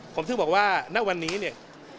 ผมถึงบอกว่าณวันนี้เนี่ย